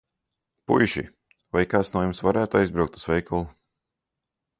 Puiši, vai kāds no jums varētu aizbraukt uz veikalu?